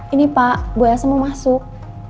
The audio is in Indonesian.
ini pak bu elsa mau masuk